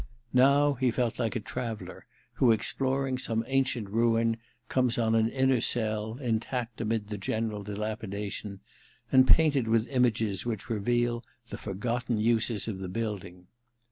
Now he felt like a traveller who, exploring some ancient ruin, comes on an inner cell, intact amid the general dilapidation, and painted with images which reveal the forgotten uses of the building.